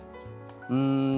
うん。